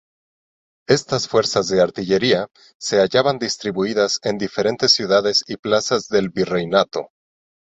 Estas fuerzas de artillería se hallaban distribuidas en diferentes ciudades y plazas del virreinato.